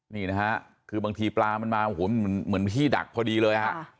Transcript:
นี่นะฮะคือบางทีปลามันมาเหมือนที่ดักพอดีเลยฮะ